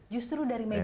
justru dari media